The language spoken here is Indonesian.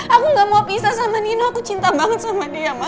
aku gak mau pisah sama nino aku cinta banget sama dia mbak